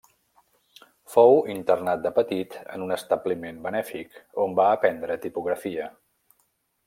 Fou internat de petit en un establiment benèfic, on va aprendre tipografia.